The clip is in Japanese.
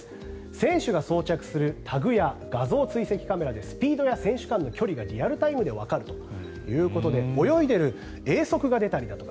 選手が装着するタグや画像追跡カメラでスピードや選手間の距離がリアルタイムでわかるということで泳いでいる泳速が出たりとか。